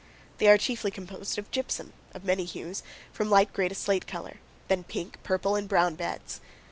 They are chiefly composed of gypsum, of many hues, from light gray to slate color; then pink, purple, and brown beds.